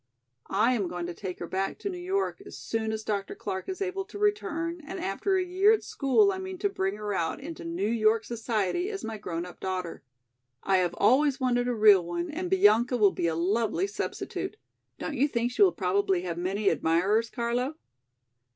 I am going to take her back to New York as soon as Dr. Clark is able to return and after a year at school I mean to bring her out into New York society as my grown up daughter. I have always wanted a real one and Bianca will be a lovely substitute. Don't you think she will probably have many admirers, Carlo?"